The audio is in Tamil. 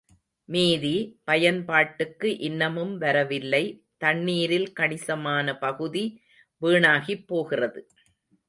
மீதி, பயன்பாட்டுக்கு இன்னமும் வரவில்லை தண்ணீரில் கணிசமான பகுதி வீணாகிப் போகிறது.